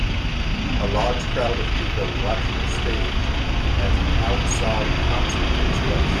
A large crowd of people watch the stage as an outside concert takes place.